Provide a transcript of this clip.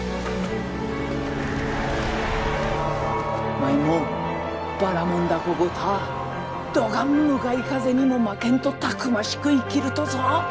舞もばらもん凧ごたぁどがん向かい風にも負けんとたくましく生きるとぞ。